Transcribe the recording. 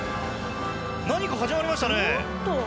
何か、始まりましたね。